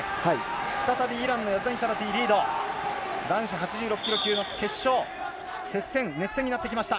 再びイランのヤズダニチャラティ、リード、男子８６キロ級の決勝、接戦、熱戦になってきました。